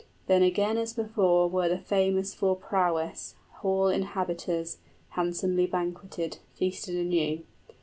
Then again as before were the famous for prowess, Hall inhabiters, handsomely banqueted, Feasted anew.